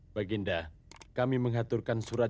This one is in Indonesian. baginda kami mengaturkan surat